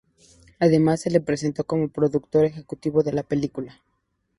Además, se le presentó como productor ejecutivo de la película.